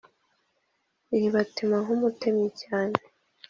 iribatema nk’umutemyi cyane